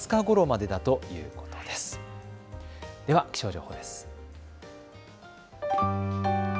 では気象情報です。